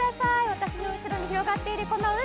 私の後ろに広がっているこの海！